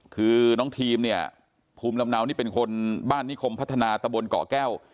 คือน้องทีมเนี่ยภูมิลำเนานี่เป็นคนบ้านนิคมพัฒนาตะบนเกาะแก้ว